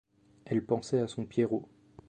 Elle pensait à son Pierrot.